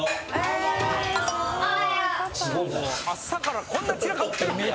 朝からこんな散らかってるんや。